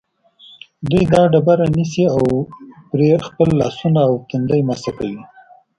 دوی دا ډبره نیسي او پرې خپل لاسونه او تندی مسح کوي.